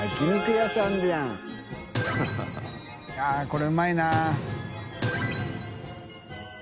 これうまいな。